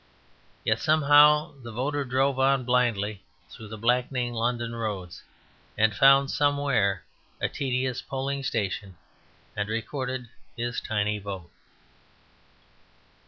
Yet somehow the voter drove on blindly through the blackening London roads, and found somewhere a tedious polling station and recorded his tiny vote.